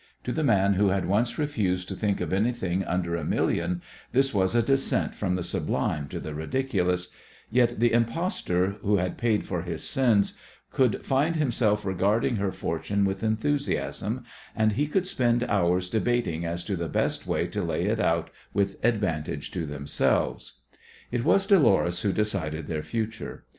To the man who had once refused to think of anything under a million this was a descent from the sublime to the ridiculous, yet the impostor, who had paid for his sins, could find himself regarding her fortune with enthusiasm, and he could spend hours debating as to the best way to lay it out with advantage to themselves. It was Dolores who decided their future.